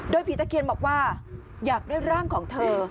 โดยผีตะเคียนบอกว่าอยากได้ร่างของเธอ